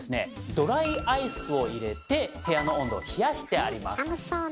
ドライアイスを入れて部屋の温度を冷やしてあります。